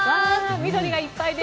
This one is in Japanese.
緑がいっぱいです。